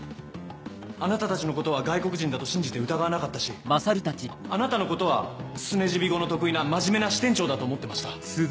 あなたたちのことは外国人だと信じて疑わなかったしあなたのことはスネジビ語の得意な真面目な支店長だと思ってました。